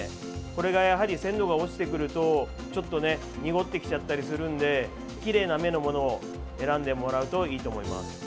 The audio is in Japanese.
これが、鮮度が落ちてくるとちょっと濁ってきたりするのできれいな目のものを選んでもらうといいと思います。